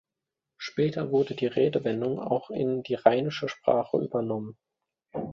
Später wurde die Redewendung auch in die Rheinische Sprache übernommen.